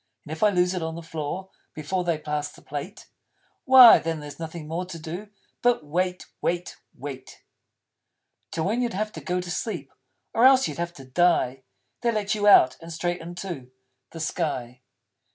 And if I lose it on the floor Before they pass the Plate, Why then there's nothing more to do But wait wait wait. Till, when you'd have to go to sleep Or else you'd have to die, They let you Out, and straight into The Sky!